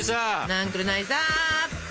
なんくるないさ！